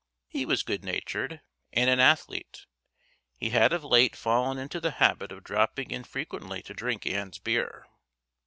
He was good natured, and an athlete; he had of late fallen into the habit of dropping in frequently to drink Ann's beer.